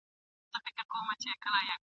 کشکي ستا پر لوڅ بدن وای ځلېدلی !.